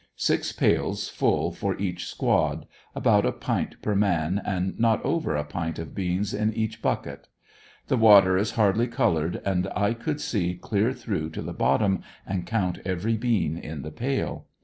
Six pails full for each squad — about a pint per man, and not over a pmt of beans in each bucket. The water is hardly colored and I could see clear through to the bottom and count every bean in the pail.